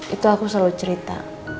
itu aku selalu cerita